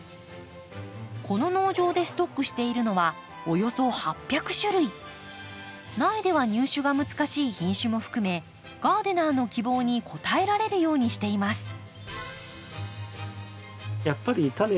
この農場でストックしているのは苗では入手が難しい品種も含めガーデナーの希望に応えられるようにしています。